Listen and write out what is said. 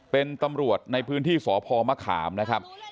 เป็นตำรวจในพื้นที่สพมะขามนะครับ